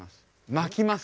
巻きます。